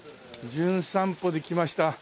『じゅん散歩』で来ました